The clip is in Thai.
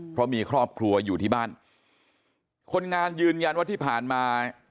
เพราะมีครอบครัวอยู่ที่บ้านคนงานยืนยันว่าที่ผ่านมา